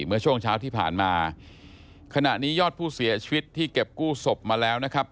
เมื่อช่วงเช้าที่ผ่านมาขณะนี้ยอดผู้เสียชีวิตที่เก็บกู้ศพมาแล้วนะครับ